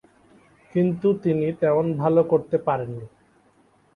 কিন্তু তিনি তেমন ভাল করতে পারেননি।